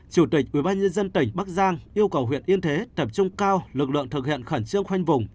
chủ tịch ubnd tỉnh bắc giang yêu cầu huyện yên thế tập trung cao lực lượng thực hiện khẩn trương khoanh vùng